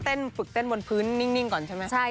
ฝึกเต้นบนพื้นนิ่งก่อนใช่ไหม